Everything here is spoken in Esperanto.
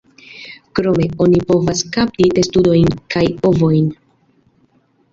Krome, oni povas kapti testudojn kaj ovojn.